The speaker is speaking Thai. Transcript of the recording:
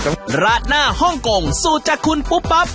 ราดหน้าฮ่องกงสูตรจากคุณปุ๊บปั๊บ